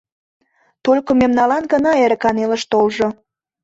Только мемналан гына эрыкан илыш толжо.